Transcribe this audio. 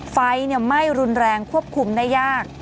ไฟไหม้รุนแรงควบคุมได้ยาก